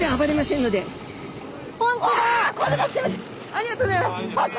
ありがとうございます。